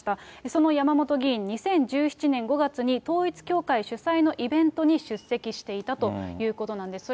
その山本議員、２０１７年５月に、統一教会主催のイベントに出席していたということなんです。